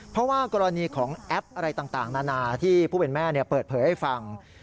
เพราะว่ากรณีของแอปอะไรต่างนานาที่ผู้เป็นแม่เปิดเผยให้ฟัง